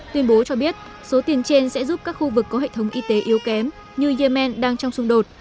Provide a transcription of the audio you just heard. tuyên bố cho biết số tiền trên sẽ giúp các khu vực có hệ thống y tế yếu kém như yemen đang trong xung đột